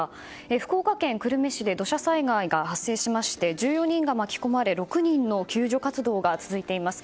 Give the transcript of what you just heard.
福岡県久留米市で土砂災害が発生しまして１４人が巻き込まれ６人の救助活動が続いています。